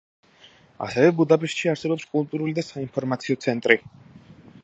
ასევე ბუდაპეშტში არსებობს კულტურული და საინფორმაციო ცენტრი.